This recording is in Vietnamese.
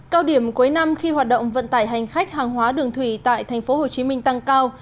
cao điểm cuối năm khi hoạt động vận tải hành khách hàng hóa đường thủy tại tp hcm tăng cao